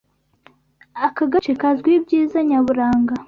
Aka gace kazwiho ibyiza nyaburanga.